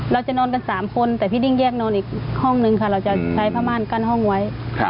เราจะนอนกัน๓คนแต่พี่ดิ้งแยกนอนอีกห้องนึงค่ะเราจะใช้ผ้าม่านกั้นห้องไว้